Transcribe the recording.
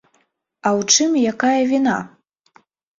А ў чым і якая віна?